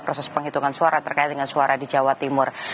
proses penghitungan suara terkait dengan suara di jawa timur